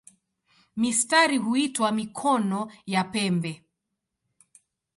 Mistari huitwa "mikono" ya pembe.